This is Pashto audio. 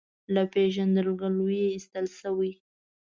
له پېژندګلوۍ یې ایستل شوی.